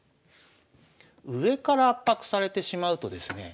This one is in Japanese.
上から圧迫されてしまうとですね